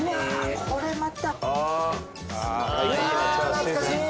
これまた。